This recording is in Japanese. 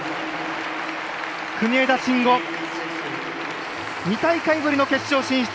国枝慎吾２大会ぶりの決勝進出！